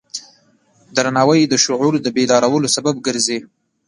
درناوی د شعور د بیدارولو سبب ګرځي.